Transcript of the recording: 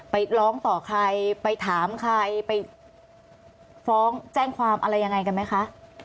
ไปร้องต่อใครไปถามใครไปฟ้องแจ้งความอะไรยังไงกันไหมคะ